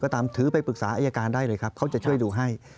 ตามถือไปปรึกษาอายการได้เลยครับเขาจะช่วยดูให้